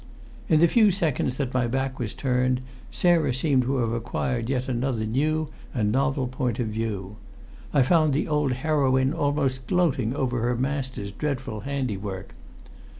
In the few seconds that my back was turned, Sarah seemed to have acquired yet another new and novel point of view. I found the old heroine almost gloating over her master's dreadful handiwork.